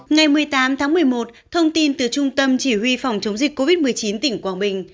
ngày một mươi tám tháng một mươi một thông tin từ trung tâm chỉ huy phòng chống dịch covid một mươi chín tỉnh quảng bình